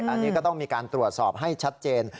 อันนี้ก็ต้องมีการตรวจสอบให้ชัดเจน